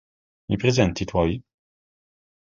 Mi presenti i tuoi?